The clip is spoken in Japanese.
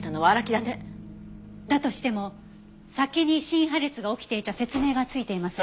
だとしても先に心破裂が起きていた説明がついていません。